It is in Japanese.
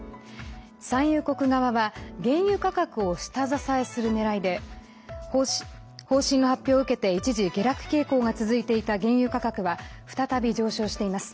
産油国側は原油価格を下支えするねらいで方針の発表を受けて一時、下落傾向が続いていた原油価格は再び上昇しています。